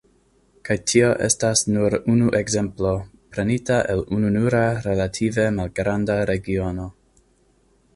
Kaj tio estas nur unu ekzemplo prenita el ununura relative malgranda regiono.